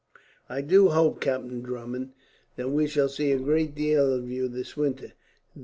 "I do hope, Captain Drummond, we shall see a great deal of you this winter.